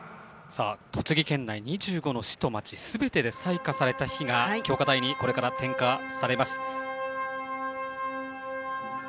栃木県内２５の市と町すべてで採火された火が炬火台にこれから点火されます。